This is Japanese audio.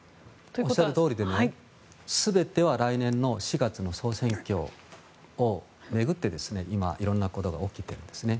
おっしゃるとおりで全ては来年４月の総選挙を巡って今、色んなことが起きてるんですね。